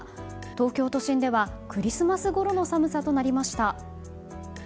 東京都心ではクリスマスごろの寒さとなりました。